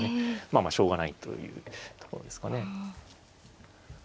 まあまあしょうがないというところですかね。